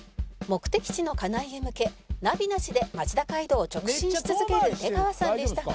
「目的地の金井へ向けナビなしで町田街道を直進し続ける出川さんでしたが」